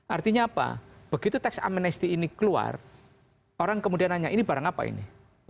artinya apa begitu tax amnesty ini keluar orang kemudian nanya ini barang apa ini